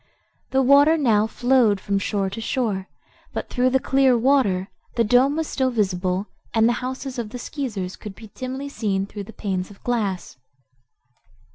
The water now flowed from shore to shore, but through the clear water the dome was still visible and the houses of the Skeezers could be dimly seen through the panes of glass.